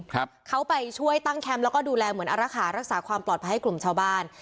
ครับเขาไปช่วยตั้งแคมป์แล้วก็ดูแลเหมือนอารักษาความปลอดภัยให้กลุ่มชาวบ้าน